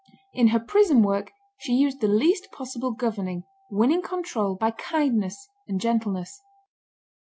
In her prison work she used the least possible governing, winning control by kindness and gentleness.